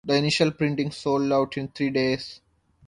The initial printing sold out in three days.